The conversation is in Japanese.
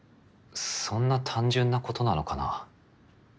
そんな単純なことなのかな。